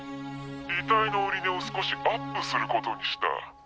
遺体の売値を少しアップすることにした。